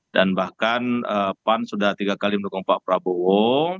dan bahkan pan sudah tiga kali mendukung pak prabowo